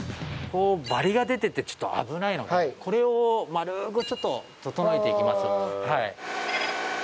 バリが出ててちょっと危ないのでこれを丸くちょっと整えていきます。